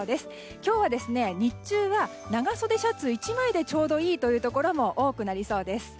今日は日中は長袖シャツ１枚でちょうどいいというところも多くなりそうです。